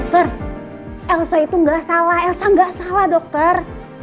dokter elsa itu gak salah elsa gak salah dokter